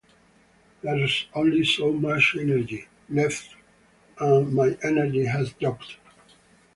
There's only so much energy left and my energy has dropped.